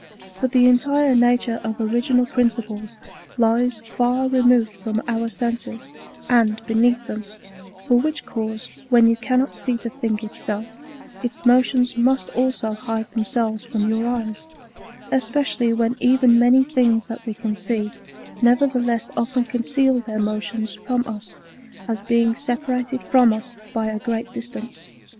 ^ For the entire nature of original principles lies far removed from our senses, and beneath them; for which cause, when you cannot see the thing itself, its motions must also hide themselves from your eyes; especially when even many things that we can see, nevertheless often conceal their motions from us, as being separated from us by a great dis tance.